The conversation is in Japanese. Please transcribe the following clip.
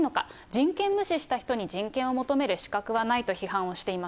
人権無視した人に人権を求める資格はないと批判しています。